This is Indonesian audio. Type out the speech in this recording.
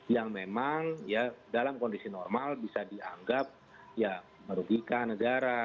yang memang ya dalam kondisi normal bisa dianggap ya merugikan negara